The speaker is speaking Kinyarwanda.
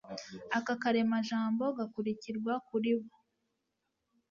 Aka karemajambo gakurikirwa kuri bo